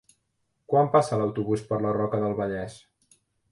Quan passa l'autobús per la Roca del Vallès?